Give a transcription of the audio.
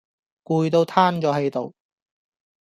攰到攤左係度